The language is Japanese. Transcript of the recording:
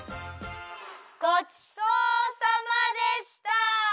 ごちそうさまでした！